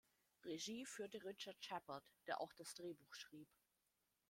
Regie führte Richard Shepard, der auch das Drehbuch schrieb.